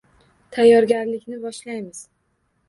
Tayorgarlikni boshlaymiz.